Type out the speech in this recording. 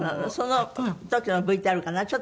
その時のＶＴＲかな？